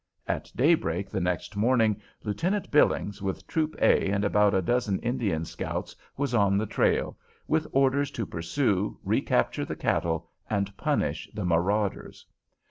At daybreak the next morning Lieutenant Billings, with Troop "A" and about a dozen Indian scouts, was on the trail, with orders to pursue, recapture the cattle, and punish the marauders.